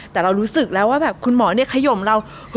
แต่เรารู้สึกแล้วว่าแบบคุณหมอเนี่ยขยมเรา